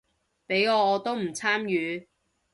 畀我我都唔參與